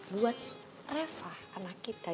buat reva anak kita